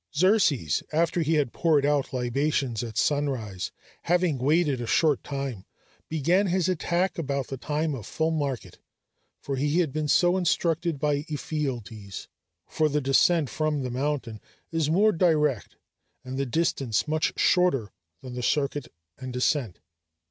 Xerxes, after he had poured out libations at sunrise, having waited a short time, began his attack about the time of full market, for he had been so instructed by Ephialtes; for the descent from the mountain is more direct and the distance much shorter than the circuit and ascent.